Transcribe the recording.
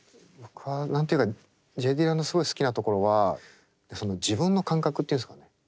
僕は何て言うかＪ・ディラのすごい好きなところは自分の感覚というんですかね